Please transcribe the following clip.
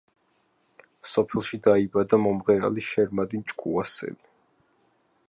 სოფელში დაიბადა მომღერალი შერმადინ ჭკუასელი.